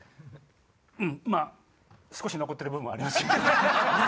まぁ少し残ってる部分もありますけど。